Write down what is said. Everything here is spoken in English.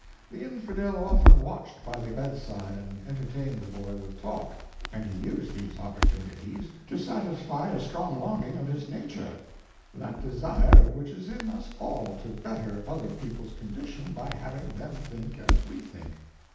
The Infidel often watched by the bedside and entertained the boy with talk, and he used these opportunities to satisfy a strong longing in his nature—that desire which is in us all to better other people's condition by having them think as we think.